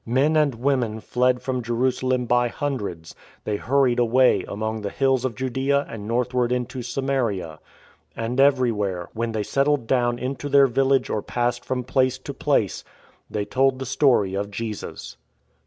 Men and women fled from Jerusalem by hundreds; they hurried away among the hills of Judaea and northward into Samaria. And every where, when they settled down into their village or passed from place to place, they told the story of Jesus.